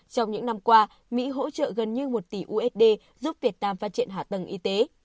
trong những năm qua mỹ hỗ trợ gần như một tỷ usd giúp việt nam phát triển hạ tầng y tế